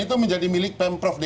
dan itu menjadi milik pemprov dki